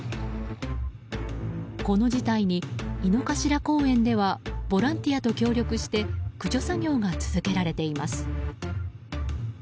この事態に井の頭公園ではボランティアと協力して駆除作業が続けられています。